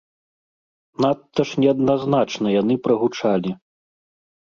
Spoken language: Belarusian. Надта ж неадназначна яны прагучалі.